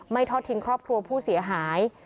ทอดทิ้งครอบครัวผู้เสียหาย